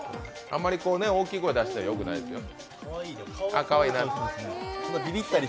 あんまり大きい声出したらよくないですよ。